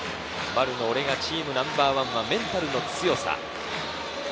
丸の俺がチームナンバーワンは「メンタルの強さ」。